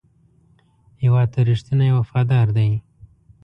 هېواد ته رښتینی او وفادار دی.